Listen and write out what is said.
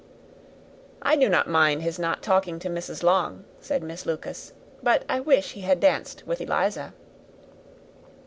"I do not mind his not talking to Mrs. Long," said Miss Lucas, "but I wish he had danced with Eliza."